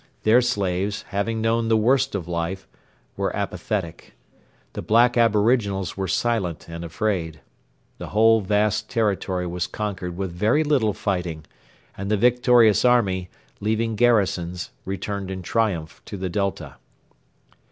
Their slaves, having known the worst of life, were apathetic. The black aboriginals were silent and afraid. The whole vast territory was conquered with very little fighting, and the victorious army, leaving garrisons, returned in triumph to the Delta.